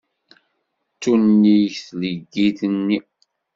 D tunnigt tleggit-nni.